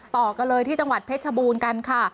ต่อกันเลยที่จังหวัดเพชรชบูรณ์กันค่ะ